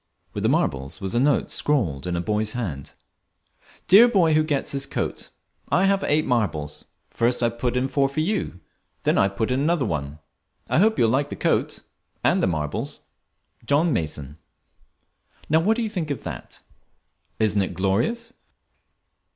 With the marbles was a note scrawled in a boy's hand "DEAR BOY WHO GETS THIS COAT, I have eight marbles. First I put in four for you. Then I put in another one. I hope you will like the coat, and the marbles. From your friend, JOHN MASON." Now what do you think of that? Isn't it glorious?